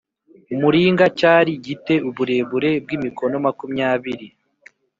muringa Cyari gi te uburebure bw imikono makumyabiri